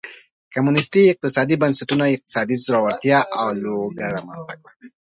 کمونېستي اقتصادي بنسټونو اقتصادي ځوړتیا او لوږه رامنځته کړه.